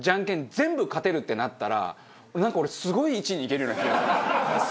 全部勝てるってなったらなんか俺すごい位置に行けるような気がする。